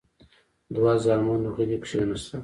دوه زامن غلي کېناستل.